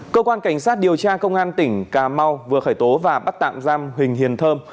cơ quan cảnh sát điều tra công an tỉnh cà mau vừa khởi tố và bắt tạm giam huỳnh hiền thơm